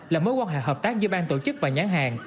là mối quan hệ hợp tác giữa bang tổ chức và nhãn hàng